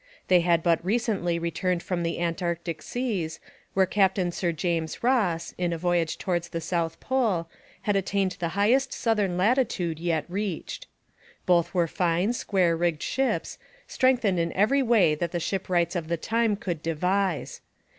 They had but recently returned from the Antarctic seas, where Captain Sir James Ross, in a voyage towards the South Pole, had attained the highest southern latitude yet reached. Both were fine square rigged ships, strengthened in every way that the shipwrights of the time could devise.